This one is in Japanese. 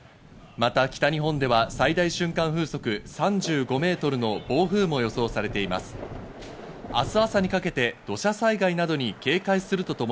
また北日本では最大瞬間風速３５メートルの暴風も予想されています。